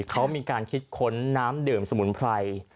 เขามีการคิดค้นน้ำดื่มสมุนไพร